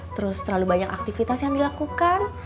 terus terlalu banyak aktivitas yang dilakukan